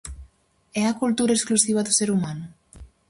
É a cultura exclusiva do ser humano?